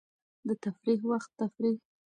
د تفریح وخت تفریح.